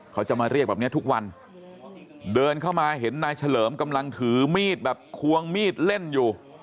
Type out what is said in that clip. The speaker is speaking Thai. เขาจะมาเรียกแบบนี้ทุกวันเดินเข้ามาเห็นนายเฉลิมกำลังถือมีดแบบควงมีดเล่นอยู่